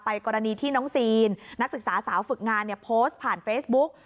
กรณีที่น้องซีนนักศึกษาสาวฝึกงานโพสต์ผ่านเฟซบุ๊ก